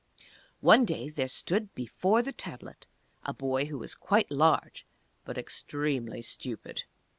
One day there stood before the Tablet a boy who was quite large, but extremely stupid.